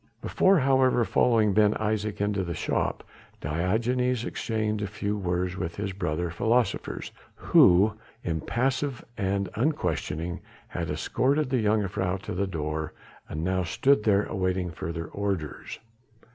Before, however, following Ben Isaje into the shop Diogenes exchanged a few words with his brother philosophers, who, impassive and unquestioning, had escorted the jongejuffrouw to the door, and now stood there awaiting further orders.